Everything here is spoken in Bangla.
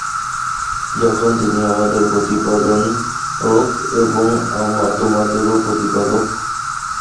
যখন তিনি আমাদের প্রতিপালক এবং তোমাদেরও প্রতিপালক!